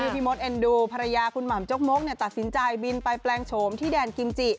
พี่มดเอ็นดูภรรยาคุณหม่ำจกมกตัดสินใจบินไปแปลงโฉมที่แดนกิมจิ